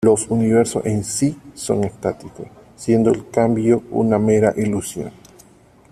Los universos en sí son estáticos, siendo el cambio una mera ilusión.